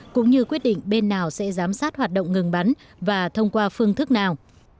cũng như quyết định bên nào sẽ giám sát hoạt động ngừng bắn và thông qua phương thức nào